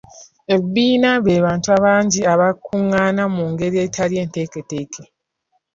Ebbiina be bantu abangi abakungaana mu ngeri etali nteeketeeke.